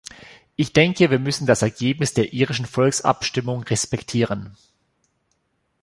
Ich denke, wir müssen das Ergebnis der irischen Volksabstimmung respektieren.